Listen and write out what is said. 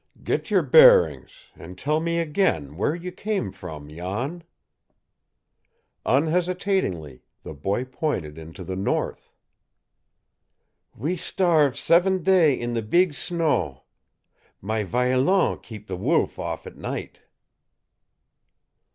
"Get your bearings, and tell me again where you came from, Jan!" Unhesitatingly the boy pointed into the north. "We starve seven day in the beeg snow. My violon keep the wolf off at night."